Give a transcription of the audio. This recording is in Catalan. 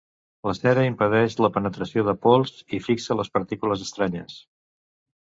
La cera impedeix la penetració de pols i fixa les partícules estranyes.